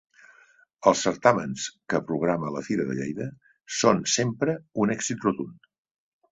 Els certàmens que programa la Fira de Lleida són sempre un èxit rotund.